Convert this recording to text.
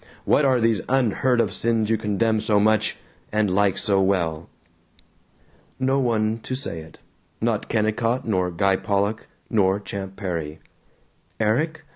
What are these unheard of sins you condemn so much and like so well?" No one to say it. Not Kennicott nor Guy Pollock nor Champ Perry. Erik?